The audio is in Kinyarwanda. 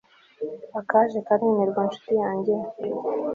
akaje karemerwa nshuti yanjye